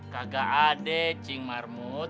gak ada cing marmut